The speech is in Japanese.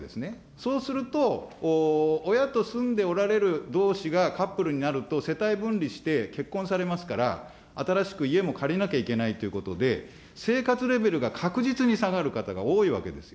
そうすると、親と住んでおられるどうしがカップルになると、世帯分離して、結婚されますから、新しく家も借りなきゃいけないということで、生活レベルが確実に下がる方が多いわけです。